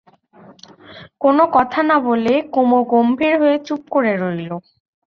কোনো কথা না বলে কুমু গম্ভীর হয়ে চুপ করে রইল।